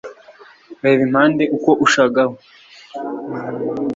reba impande uko ushagawe